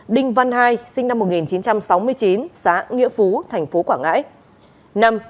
bốn đinh văn hai sinh năm một nghìn chín trăm sáu mươi chín xã nghĩa phú tp quảng ngãi